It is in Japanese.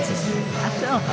ああそう！